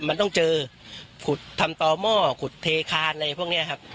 มันต้องเจอขุดทำต่อหม้อขุดเทคานอะไรพวกนี้ครับ